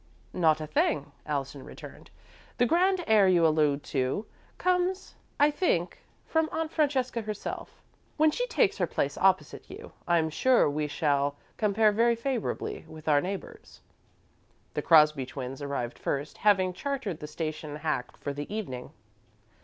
"Not a thing," Allison returned. "The 'grand air' you allude to comes, I think, from Aunt Francesca herself. When she takes her place opposite you, I'm sure we shall compare very favourably with our neighbours." The Crosby twins arrived first, having chartered the station hack for the evening.